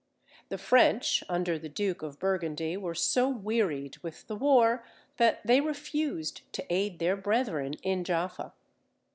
The French, under the Duke of Burgundy, were so wearied with the war, that they refused to aid their brethren in Jaffa.